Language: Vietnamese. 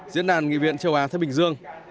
diễn đàn nghị viện châu á thế bình dương